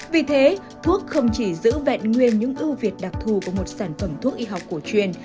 vì thế thuốc không chỉ giữ vẹn nguyên những ưu việt đặc thù của một sản phẩm thuốc y học cổ truyền